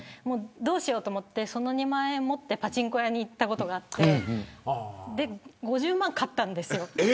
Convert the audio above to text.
どうしようと思ってその２万円でパチンコ屋に行ったことがあって５０万勝ったんですよ。